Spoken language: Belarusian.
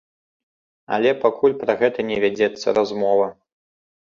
Але пакуль пра гэта не вядзецца размова.